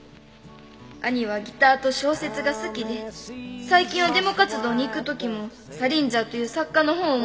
「兄はギターと小説が好きで最近はデモ活動に行く時もサリンジャーという作家の本を持って」